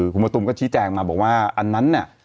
คุณมะตูมก็ชี้แจงมาบอกว่าอันนั้นเนี่ย